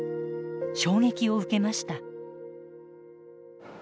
衝撃を受けました。